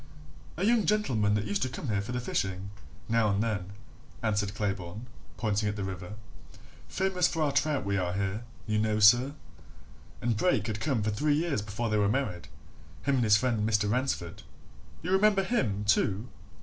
"A young gentleman that used to come here for the fishing, now and then," answered Claybourne, pointing at the river. "Famous for our trout we are here, you know, sir. And Brake had come here for three years before they were married him and his friend Mr. Ransford." "You remember him, too?"